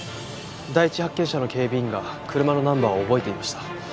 第一発見者の警備員が車のナンバーを覚えていました。